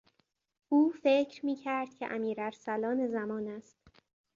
او فکر میکرد که امیر ارسلان زمان است.